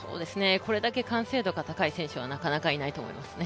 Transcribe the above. これだけ完成度が高い選手はなかなかいないと思いますね。